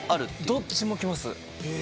どっちもきます。